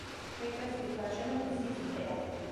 ეკლესიის გარშემო ბზის ტყეა.